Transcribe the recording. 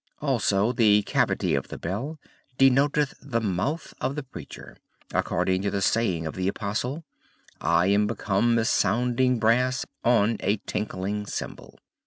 Also the cavity of the bell denoteth the mouth of the preacher, according to the saying of the Apostle, I AM BECOME AS SOUNDING BRASS ON A TINKLING CYMBAL."